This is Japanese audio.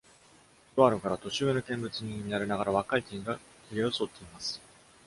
ドア口から年上の見物人に観られながら、若いティーンが髭をそっています。